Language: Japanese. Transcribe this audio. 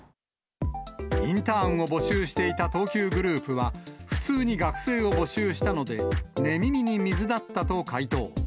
インターンを募集していた東急グループは、普通に学生を募集したので、寝耳に水だったと回答。